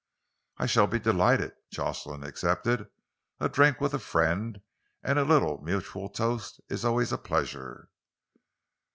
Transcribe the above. "I shall be delighted," Jocelyn accepted. "A drink with a friend, and a little mutual toast, is always a pleasure."